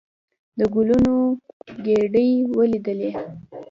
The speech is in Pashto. د ګلونو ګېدۍ ولېدلې.